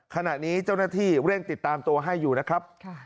ขณะนี้เจ้าหน้าที่เร่งติดตามตัวให้อยู่นะครับ